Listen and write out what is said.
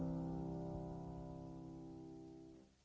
dan tak boleh menyala tanihan come idea light